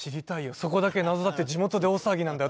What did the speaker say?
そこだけ謎だって地元で大騒ぎなんだよ